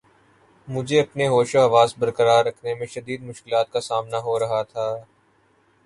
مجھے اپنے ہوش و حواس بر قرار رکھنے میں شدید مشکلات کا سامنا ہو رہا تھا